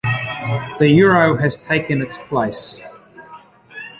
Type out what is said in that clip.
The euro has taken its place.